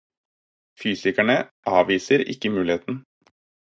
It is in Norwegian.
Fysikerne avviser ikke muligheten.